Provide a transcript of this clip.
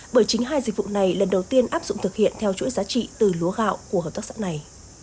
bởi chính hai dịch vụ này lần đầu tiên áp dụng thực hiện theo chuỗi giá trị từ lúa gạo của hợp tác xã này